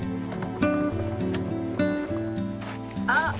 あっ！